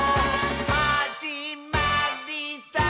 「はじまりさー」